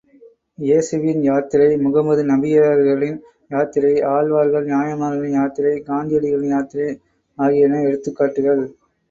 ஏசுவின் யாத்திரை, முகம்மது நபியவர்களின் யாத்திரை, ஆழ்வார்கள், நாயன்மார்களின் யாத்திரை, காந்தியடிகளின் யாத்திரை ஆகியன எடுத்துக்காட்டுக்கள்.